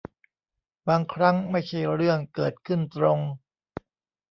บางครั้งไม่ใช่เรื่องเกิดขึ้นตรง